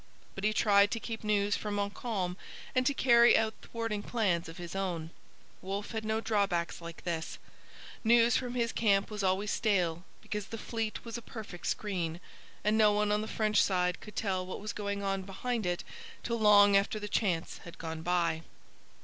But he tried to keep news from Montcalm and to carry out thwarting plans of his own. Wolfe had no drawbacks like this. News from his camp was always stale, because the fleet was a perfect screen, and no one on the French side could tell what was going on behind it till long after the chance had gone by.